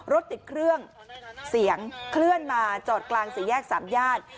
รถติดเครื่องเสียงเคลื่อนมาจอดกลางสี่แยกสามญาติ